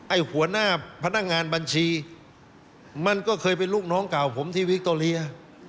หัวหน้าพนักงานบัญชีมันก็เคยเป็นลูกน้องเก่าผมที่วิคโตเรีย